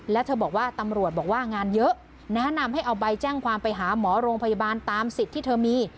แล้วเธอบอกว่าตำรวจบอกว่างานเยอะแนะนำให้เอาใบแจ้งความไปหาหมอโรงพยาบาลตามสิทธิ์ที่เธอมี